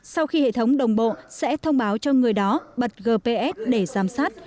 sau khi hệ thống đồng bộ sẽ thông báo cho người đó bật gps để giám sát